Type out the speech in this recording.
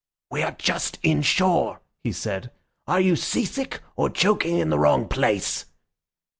"We are just inshore," he said. "Are you seasick or joking in the wrong place?"